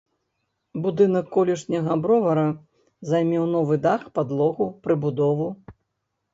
Будынак колішняга бровара займеў новы дах, падлогу, прыбудову.